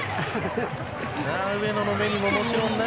上野の目にも、もちろん涙。